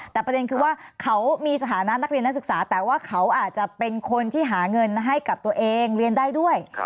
แต่ประเด็นคือว่าเขามีสถานะนักเรียนนักศึกษาแต่ว่าเขาอาจจะเป็นคนที่หาเงินให้กับตัวเองเรียนได้ด้วย